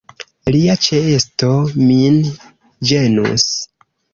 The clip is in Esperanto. Lia ĉeesto min ĝenus.